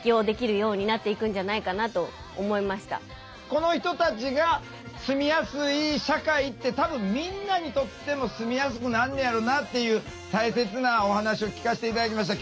この人たちが住みやすい社会って多分みんなにとっても住みやすくなんねやろなっていう大切なお話を聞かせて頂きました。